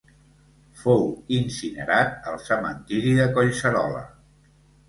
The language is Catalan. Fou incinerat al cementiri de Collserola.